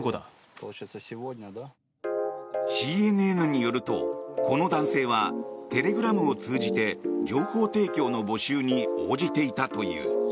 ＣＮＮによると、この男性はテレグラムを通じて情報提供の募集に応じていたという。